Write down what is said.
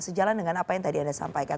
sejalan dengan apa yang tadi anda sampaikan